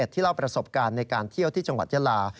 เล่าประสบการณ์ในการเที่ยวที่จังหวัดยาลา